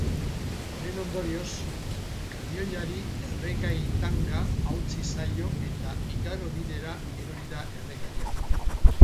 Honen ondorioz, kamioiari erregai-tanga hautsi zaio eta igarobidera erori da erregaia.